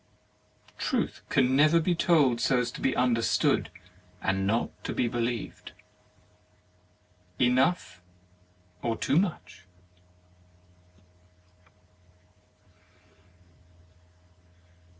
Truth can never be told so as to be understood and not to be believed. Enough! or Too much.